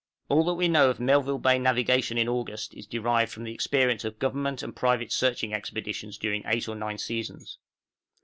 All that we know of Melville Bay navigation in August, is derived from the experience of Government and private searching expeditions during eight or nine seasons.